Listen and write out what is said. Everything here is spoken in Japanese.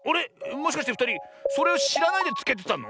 もしかしてふたりそれをしらないでつけてたの？